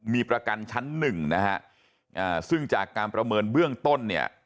มีประกันชั้นหนึ่งนะฮะซึ่งจากการประเมินเบื้องต้นเนี่ย